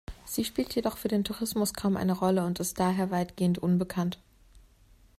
Sie spielt jedoch für den Tourismus kaum eine Rolle und ist daher weitgehend unbekannt.